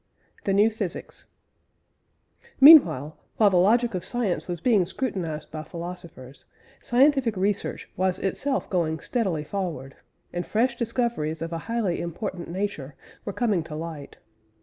THE NEW PHYSICS. Meanwhile, while the logic of science was being scrutinised by philosophers, scientific research was itself going steadily forward, and fresh discoveries of a highly important nature were coming to light.